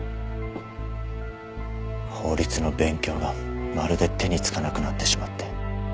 法律の勉強がまるで手につかなくなってしまって。